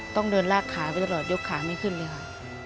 ต้องเดินลากขาไปตลอดยกขาไม่ขึ้นเลยค่ะ